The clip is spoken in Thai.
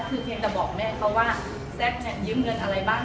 คือเนี่ยจะบอกแม่เขาว่าแซค๖๓ยืมเงินอะไรบ้าง